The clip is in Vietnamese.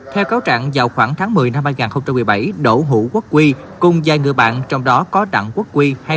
theo cáo trạng vào khoảng tháng một mươi năm hai nghìn một mươi bảy đỗ hữu quốc huy cùng giai ngựa bạn trong đó có đặng quốc huy